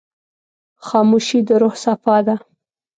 خاموشي، د روح صفا ده.